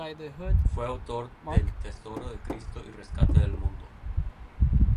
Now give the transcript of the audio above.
Fue autor del "Tesoro de Cristo y rescate del mundo.